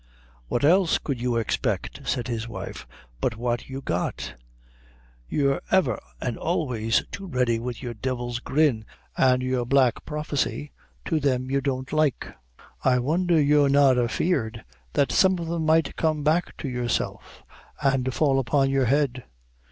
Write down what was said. "What else could you expect," said his wife, "but what you got? You're ever an' always too ready wid your divil's grin an' your black prophecy to thim you don't like. I wondher you're not afeard that some of them might come back to yourself, an' fall upon your own head.